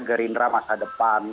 gerindra masa depan